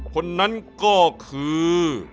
คนนั้นก็คือ